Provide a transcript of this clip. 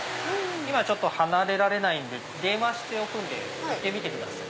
今ちょっと離れられないんで電話しておくので行ってみてください。